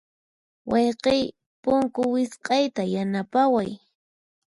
Wayqiy, punku wisq'ayta yanapaway.